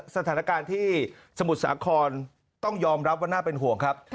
สถานการณ์ที่สมุทรสาครต้องยอมรับว่าน่าเป็นห่วงครับ